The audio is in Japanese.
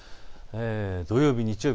土曜日、日曜日